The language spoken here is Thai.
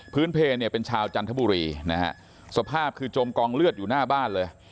เพลเนี่ยเป็นชาวจันทบุรีนะฮะสภาพคือจมกองเลือดอยู่หน้าบ้านเลย